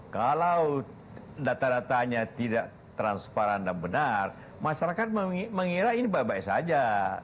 kalau data datanya tidak transparan dan benar masyarakat mengira ini baik baik saja